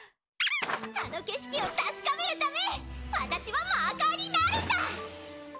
あの景色を確かめるため私はマーカーになるんだ！